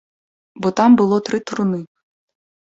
Бо там было тры труны.